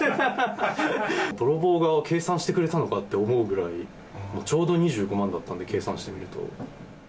泥棒が計算してくれたのかって思うぐらい、ちょうど２５万だったんで、計算してみると。